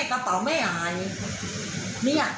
กระเป๋าแม่หายนี่อะ